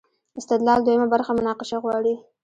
استدلال دویمه برخه مناقشه غواړي.